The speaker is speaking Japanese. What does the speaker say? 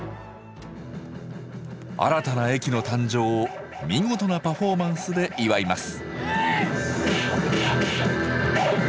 新たな駅の誕生を見事なパフォーマンスで祝います。